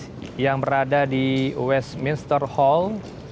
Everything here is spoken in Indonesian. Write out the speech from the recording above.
pergantian petugas yang berada di westminster hall